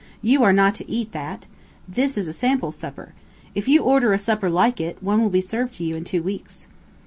"You are not to eat that. This is a sample supper. If you order a supper like it, one will be served to you in two weeks."